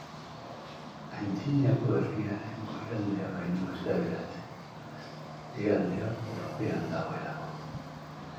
Antzinako herriaren goialdea baino ez da geratzen, behealdea urpean dagoelako.